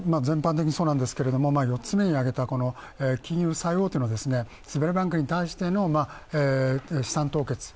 全般的にそうなんですけど、４つ目に挙げた金融最大手のズベルバンクに対しての資産凍結。